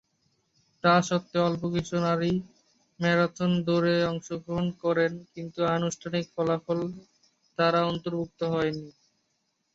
তাস্বত্ত্বেও অল্প কিছুসংখ্যক নারী ম্যারাথন দৌড়ে অংশগ্রহণ করেন কিন্তু আনুষ্ঠানিক ফলাফলে তারা অন্তর্ভুক্ত হননি।